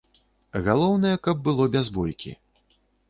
Галоўнае, каб было без бойкі.